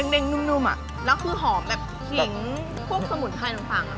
ด่งนุ่มแล้วคือหอมแบบหิงพวกสมุดไทยล่ะ